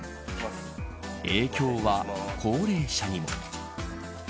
影響は高齢者にも。